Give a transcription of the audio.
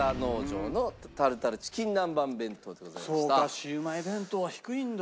シウマイ弁当は低いんだ。